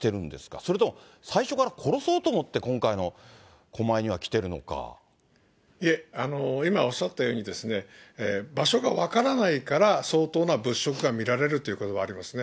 それとも最初から殺そうと思って、いえ、今おっしゃったように、場所が分からないから、相当な物色が見られるということもありますね。